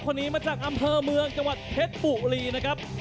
คนนี้มาจากอเมืองกเทชปู้รีนะครับ